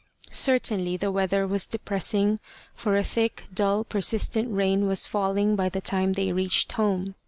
Certainly the weather was depressing, for a thick, dull, persistent rain was falling by the time they reached home.